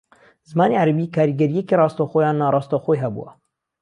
زمانی عەرەبی کاریگەرییەکی ڕاستەوخۆ یان ناڕاستەوخۆیی ھەبووە